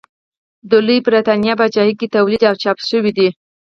د لویې برېتانیا پاچاهۍ کې تولید او چاپ شوي دي.